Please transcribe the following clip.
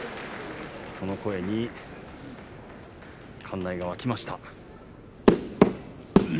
その声に館内が沸きました。